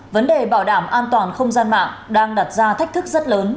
vấn đề bảo đảm an toàn không gian mạng đang đặt ra thách thức rất lớn